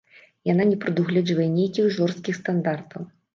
Яна не прадугледжвае нейкіх жорсткіх стандартаў.